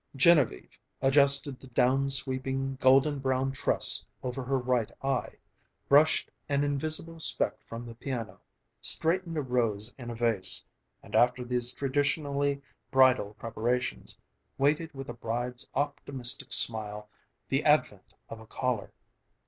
Genevieve adjusted the down sweeping, golden brown tress over her right eye, brushed an invisible speck from the piano, straightened a rose in a vase, and after these traditionally bridal preparations, waited with a bride's optimistic smile the advent of a caller.